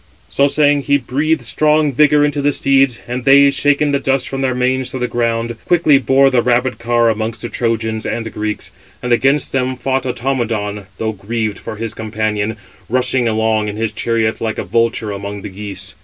So saying, he breathed strong vigour into the steeds; and they, shaking the dust from their manes to the ground, quickly bore the rapid car amongst the Trojans and Greeks. And against them 561 fought Automedon, though grieved for his companion, rushing along in his chariot like a vulture among the geese.